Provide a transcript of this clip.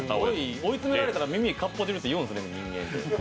追い詰められたら耳かっぽじってって言うんですね。